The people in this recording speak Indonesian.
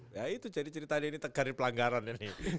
ya itu cerita tadi ini tegarin pelanggaran ini